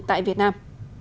tại việt nam